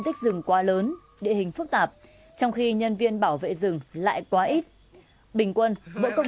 tích rừng quá lớn địa hình phức tạp trong khi nhân viên bảo vệ rừng lại quá ít bình quân mỗi công